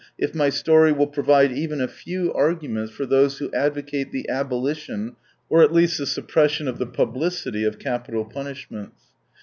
if my story will provide even a few arguments for those who advocate the abolition, or at least the suppression of the publicity of capital punishments."